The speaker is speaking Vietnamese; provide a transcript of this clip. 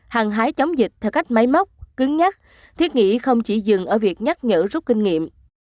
hàng hái chống dịch theo cách máy móc cứng nhắc thiết nghĩ không chỉ dừng ở việc nhắc nhở rút kinh nghiệm